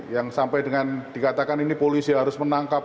yang sampai dengan dikatakan ini polisi harus menangkap